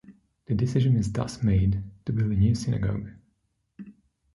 The decision is thus made to build a new synagogue.